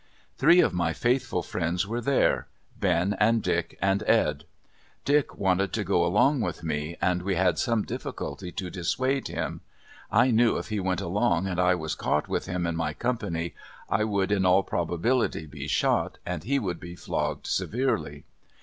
Three of my faithful friends were there Ben, and Dick and Ed. Dick wanted to go along with me and we had some difficulty to dissuade him. I knew if he went along and I was caught with him in my company I would in all probability be shot and he would be flogged severely.